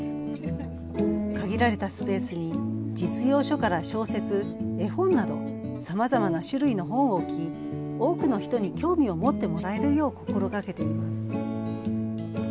限られたスペースに実用書から小説、絵本などさまざまな種類の本を置き、多くの人に興味を持ってもらえるよう心がけています。